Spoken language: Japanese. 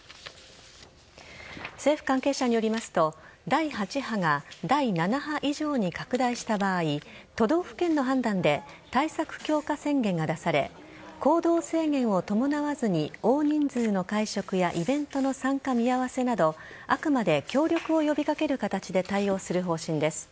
政府関係者によりますと第８波が第７波以上に対策強化宣言が出され行動制限を伴わずに大人数の会食やイベントの参加見合わせなどあくまで協力を呼びかける形で対応する方針です。